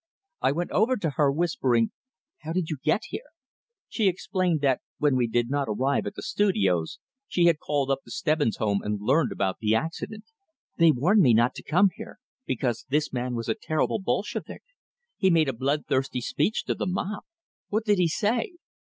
I went over to her, whispering, "How did you get here?" She explained that, when we did not arrive at the studios, she had called up the Stebbins home and learned about the accident. "They warned me not to come here, because this man was a terrible Bolshevik; he made a blood thirsty speech to the mob. What did he say?"